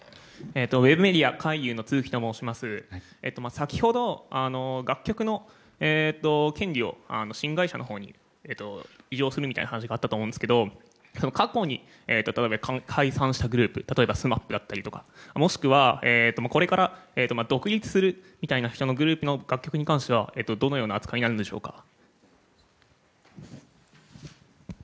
先ほど、楽曲の権利を新会社のほうに移譲するみたいな話があったと思うんですけど過去に、例えば解散したグループ例えばＳＭＡＰだったりもしくは、これから独立するみたいなグループの楽曲に関してはどのような扱いになるんでしょうか。